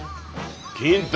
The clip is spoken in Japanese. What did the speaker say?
金太。